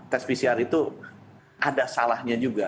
tes pcr itu ada salahnya juga